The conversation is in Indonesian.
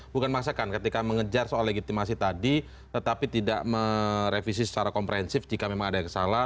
bukan masakan ketika mengejar soal legitimasi tadi tetapi tidak merevisi secara komprehensif jika memang ada yang salah